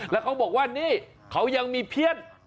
แล้วเขาบอกว่านี่เขายังมีเพื่อน